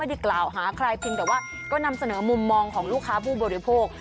ได้กล่าวหาใครเพียงแต่ว่าก็นำเสนอมุมมองของลูกค้าผู้บริโภค